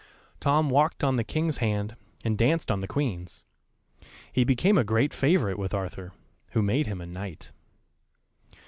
Tom walked on the King's hand, and danced on the Queen's. He became a great favourite with Arthur, who made him a knight.